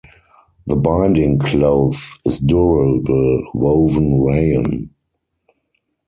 The binding cloth is durable woven rayon.